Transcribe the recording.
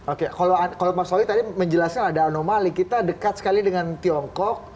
oke kalau mas wali tadi menjelaskan ada anomali kita dekat sekali dengan tiongkok